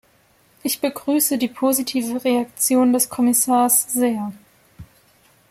Ich begrüße die positive Reaktion des Kommissars sehr.